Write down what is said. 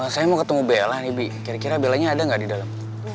saya mau ketemu bella nih bi kira kira bella nya ada gak di dalam